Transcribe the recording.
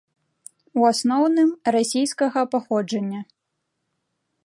У асноўным, расійскага паходжання.